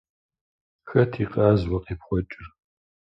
Хэт и къаз уэ къепхуэкӏыр?